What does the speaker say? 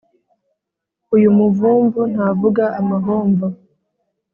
uyu muvumvu ntavuga amahomvo